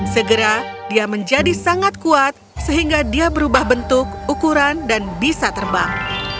segera dia menjadi sangat kuat sehingga dia berubah bentuk ukuran dan bisa terbang